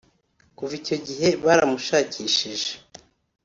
Kuva icyo gihe baramushakishije